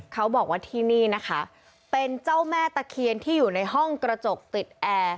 เขาบอกว่าที่นี่นะคะเป็นเจ้าแม่ตะเคียนที่อยู่ในห้องกระจกติดแอร์